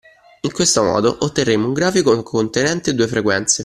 In questo modo otterremo un grafico contenente due frequenze.